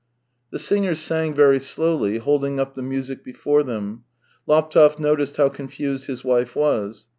The singers sang very slowly, holding up the music before them. Laptev noticed how con fused his wife was.